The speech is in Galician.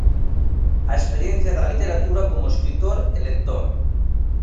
A experiencia da literatura como escritor e lector.